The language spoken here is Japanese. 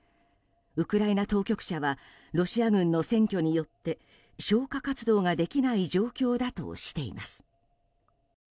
ウクライナ当局者はロシア軍の占拠によって消火活動ができない状況だとしています。